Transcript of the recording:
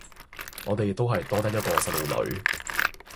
我哋都係多得一個細路女